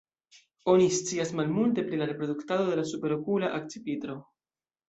Oni scias malmulte pri la reproduktado de la Superokula akcipitro.